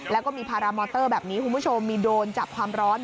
แล้วก็มีพารามอเตอร์แบบนี้คุณผู้ชมมีโดรนจับความร้อน